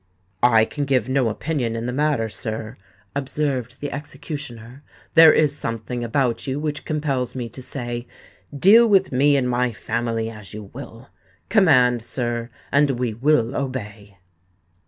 "I can give no opinion in the matter, sir," observed the executioner: "there is something about you which compels me to say, 'Deal with me and my family as you will.' Command, sir, and we will obey."